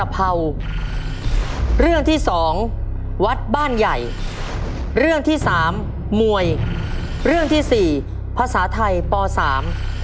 เพลงลูกทุ่งสมัยเก่า